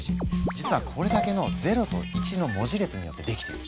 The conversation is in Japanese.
実はこれだけの「０」と「１」の文字列によって出来ている。